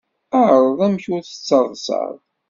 Ԑreḍ amek ur tettaḍsaḍ.